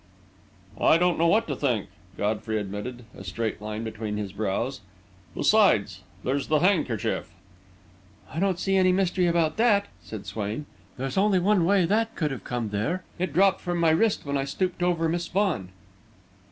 "I don't know what to think," Godfrey admitted, a straight line between his brows. "Besides, there's the handkerchief." "I don't see any mystery about that," said Swain. "There's only one way that could have come there. It dropped from my wrist when I stooped over Miss Vaughan."